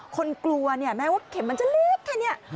คนกลัวแม้ว่าเข็มมันจะเลือดแค่นี้